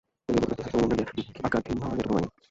এগুলো প্রতিপালিত, সৃষ্ট ও অন্যের আজ্ঞাধীন হওয়ার এটাই প্রমাণ।